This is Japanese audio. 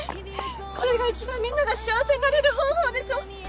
これが一番みんなが幸せになれる方法でしょ！？